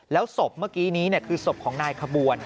แล้วศพเมื่อกี้นี้คือศพของนายขบวน